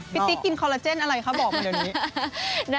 ติ๊กกินคอลลาเจนอะไรคะบอกมาเดี๋ยวนี้